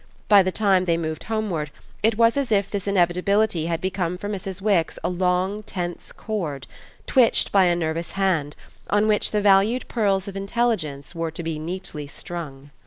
By the time they moved homeward it was as if this inevitability had become for Mrs. Wix a long, tense cord, twitched by a nervous hand, on which the valued pearls of intelligence were to be neatly strung.